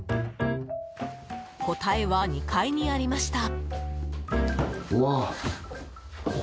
答えは２階にありました。